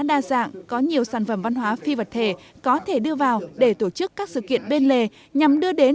đa dạng có nhiều sản phẩm văn hóa phi vật thể có thể đưa vào để tổ chức các sự kiện bên lề nhằm đưa đến